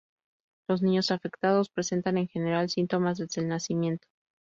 Los niños afectados presentan en general síntomas desde el nacimiento.